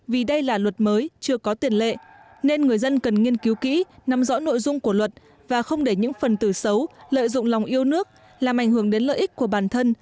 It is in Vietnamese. vì đây là luật mới chưa có tiền lệ nên người dân cần nghiên cứu kỹ nằm rõ nội dung của luật và không để những phần từ xấu lợi dụng lòng yêu nước làm ảnh hưởng đến lợi ích của bản thân